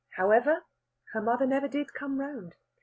However, her mother never did come round.